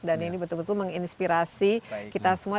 dan ini betul betul menginspirasi kita semua